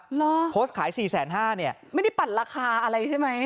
เหรอโพสต์ขายสี่แสนห้าเนี่ยไม่ได้ปั่นราคาอะไรใช่ไหม